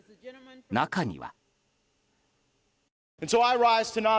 中には。